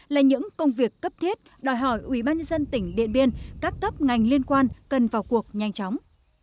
là những công việc cấp thiết đòi hỏi ủy ban dân tỉnh điện biên các cấp ngành liên quan cần vào cuộc nhanh chóng